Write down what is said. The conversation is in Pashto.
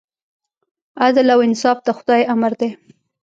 عدل او انصاف د خدای امر دی.